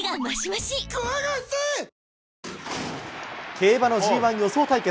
競馬のＧ１予想対決。